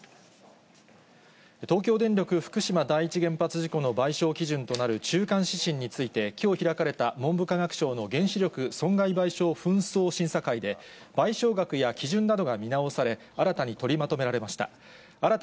東京電力福島第一原発事故の賠償基準となる中間指針について、きょう開かれた文部科学省の原子力損害賠償紛争審査会で、賠償額や基準などが見直され、新たに取りまとめられました。